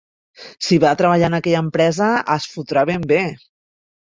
Si va a treballar en aquella empresa es fotrà ben bé.